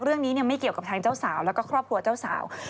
เรื่องนี้ไม่เกี่ยวกับทางเจ้าสาวแล้วก็ครอบครัวเจ้าสาว